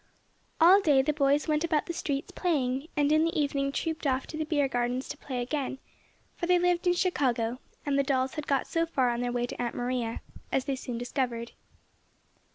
All day the boys went about the streets playing, and in the evening trooped off to the beer gardens to play again, for they lived in Chicago, and the dolls had got so far on their way to Aunt Maria, as they soon discovered.